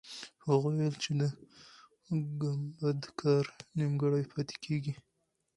هغه وویل چې د ګمبد کار نیمګړی پاتې دی.